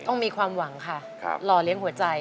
ต้องมีความหวังค่ะรอเลี้ยงหัวใจ